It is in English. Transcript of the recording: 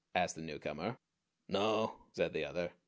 asked the newcomer. "No," said the other.